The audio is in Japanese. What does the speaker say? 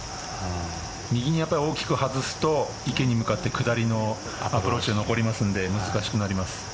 右に大きく外すと池に向かって下りのアプローチが残りますので難しくなります。